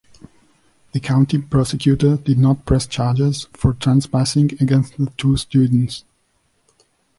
The County Prosecutor did not press charges for Trespassing against the two students.